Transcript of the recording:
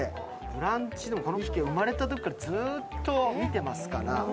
「ブランチ」でも生まれたときからずっと見てますから。